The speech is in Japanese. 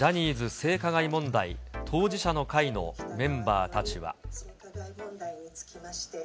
性加害問題当事者の会のメンバーたちは。